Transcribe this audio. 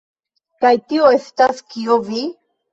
Kaj tio estas kio vi?